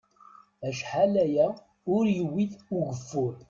Acḥal aya ur yewwit ugeffur.